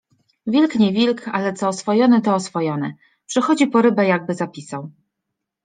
- Wilk, nie wilk, ale co oswojony, to oswojony. Przychodzi po rybę, jakby zapisał